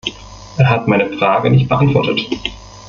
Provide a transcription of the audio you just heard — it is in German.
Er hat meine Frage nicht beantwortet.